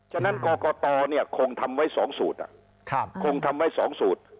ฉะนั้นกรกตคงทำไว้๒สูตรคงทำไว้๒สูตร